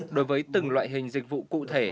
đối với từng loại hình dịch vụ cụ thể